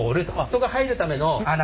人が入るための穴。